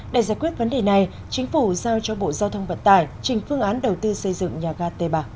để giải quyết vấn đề này chính phủ giao cho bộ giao thông vận tải trình phương án đầu tư xây dựng nhà ga t ba